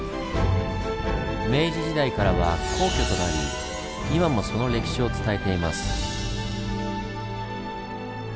明治時代からは皇居となり今もその歴史を伝えています。